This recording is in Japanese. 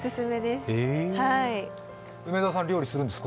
梅澤さんは料理するんですか？